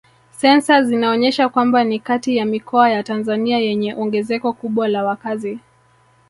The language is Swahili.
Sensa zinaonyesha kwamba ni kati ya mikoa ya Tanzania yenye ongezeko kubwa la wakazi